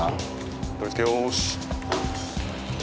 取り付けよし。